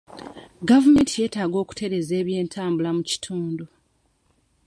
Gavumenti yeetaaga okutereeza ebyentambula mu kitundu.